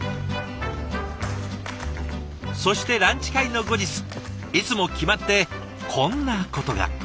そしてランチ会の後日いつも決まってこんなことが。